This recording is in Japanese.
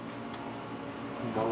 こんばんは。